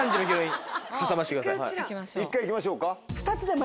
１回行きましょうか。